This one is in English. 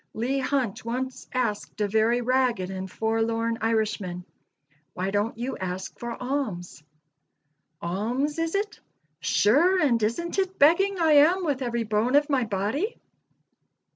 Leigh Hunt once asked a very ragged and forlorn Irishman, "Why don't you ask for alms?" "Alms, is it? Sure and isn't it begging I am with every bone of my body?"